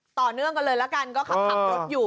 ต่อเนื่องกันเลยละกันก็ขับรถอยู่